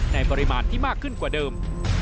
ปริมาณที่มากขึ้นกว่าเดิม